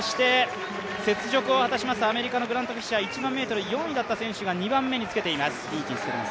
雪辱を果たしますアメリカのグラント・フィッシャー１００００ｍ４位だった選手が２番目につけています。